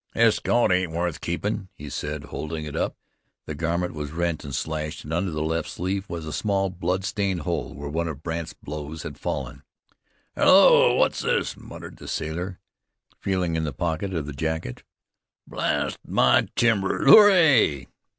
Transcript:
"This coat ain't worth keepin'," he said, holding it up. The garment was rent and slashed, and under the left sleeve was a small, blood stained hole where one of Brandt's blows had fallen. "Hullo, what's this?" muttered the sailor, feeling in the pocket of the jacket. "Blast my timbers, hooray!"